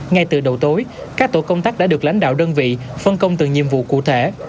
ngay từ đầu tối các tổ công tác đã được lãnh đạo đơn vị phân công từng nhiệm vụ cụ thể